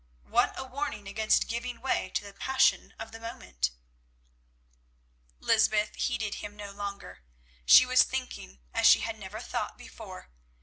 What a warning against giving way to the passion of the moment!" Lysbeth heeded him no longer; she was thinking as she had never thought before.